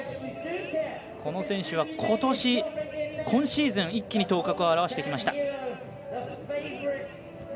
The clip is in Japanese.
この選手は、ことし今シーズン一気に頭角を現してきました。